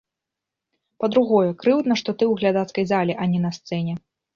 Па-другое, крыўдна, што ты ў глядацкай зале, а не на сцэне.